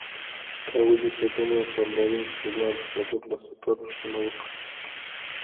تا ولې په دومره پاملرنې سره زما د کابل د سفر پوښتنه وکړه؟